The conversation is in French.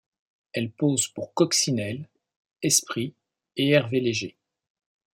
Elle pose pour Coccinelle, Esprit et Hervé Léger.